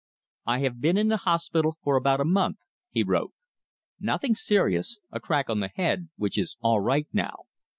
"I have been in the hospital for about a month," he wrote. "Nothing serious a crack on the head, which is all right now.